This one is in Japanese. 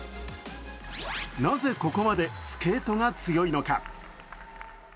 なぜここまでスケートが強いのか。